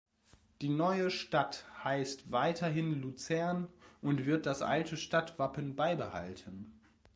Die «neue» Stadt heisst weiterhin Luzern und wird das alte Stadtwappen beibehalten.